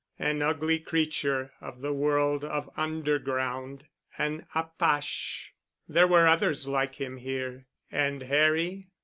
An ugly creature of the world of underground, an apache! There were others like him here. And Harry....